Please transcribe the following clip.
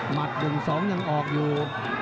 หมัดปรุงสองยังออกอยู่